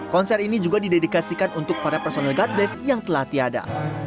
konser ini juga didedikasikan untuk para personel god bless yang telah tiada